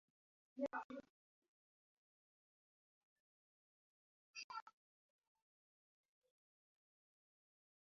Kirolari gipuzkoarrak hirugarren denbora onena lortu du finalerdietan eta finalerako txartela eskuratu du.